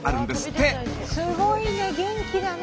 すごいね元気だね。